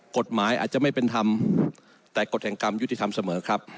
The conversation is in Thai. กฎหมายอาจจะไม่เป็นธรรมแต่กฎแห่งกรรมยุติธรรมเสมอครับ